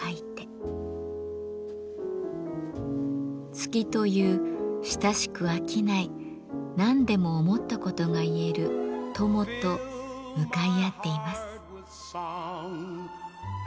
「月という親しく飽きない何でも思ったことが言える友と向かい合っています」。